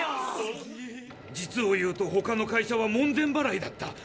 実を言うとほかの会社は門前ばらいだった。